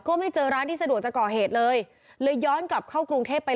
ไม่เจอร้านที่สะดวกจะก่อเหตุเลยเลยย้อนกลับเข้ากรุงเทพไป